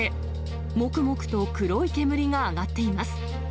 もくもくと黒い煙が上がっています。